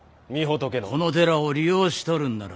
この寺を利用しとるんなら。